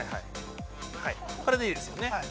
これでいいですよね。